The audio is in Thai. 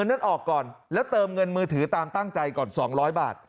นั้นออกก่อนแล้วเติมเงินมือถือตามตั้งใจก่อน๒๐๐บาท